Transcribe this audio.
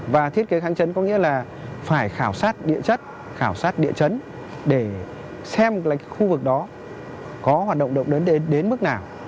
và thiết kế kháng chấn có nghĩa là phải khảo sát địa chất khảo sát địa chấn để xem là khu vực đó có hoạt động được đến mức nào